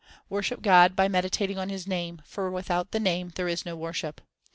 Worship God by meditating on His name, for without the Name there is no worship.